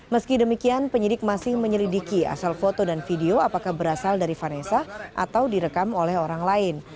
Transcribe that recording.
meski demikian penyidik masih menyelidiki asal foto dan video apakah berasal dari vanessa atau direkam oleh orang lain